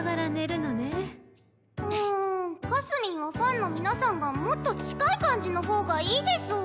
うんかすみんはファンの皆さんがもっと近い感じの方がいいですぅ。